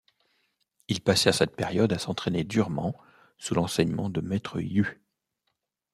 Ils passèrent cette période à s'entrainer durement sous l'enseignement de Maître Yu.